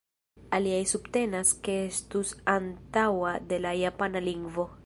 Aliaj subtenas ke estus antaŭa de la japana lingvo.